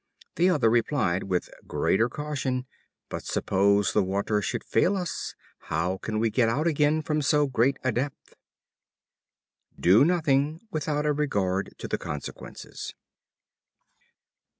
The other replied with greater caution: "But suppose the water should fail us, how can we get out again from so great a depth?" Do nothing without a regard to the consequences.